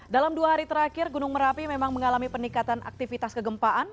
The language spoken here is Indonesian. dalam dua hari terakhir gunung merapi memang mengalami peningkatan aktivitas kegempaan